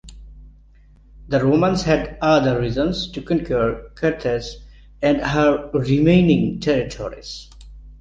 The Romans had other reasons to conquer Carthage and her remaining territories.